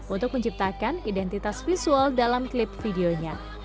untuk menciptakan identitas visual dalam klip videonya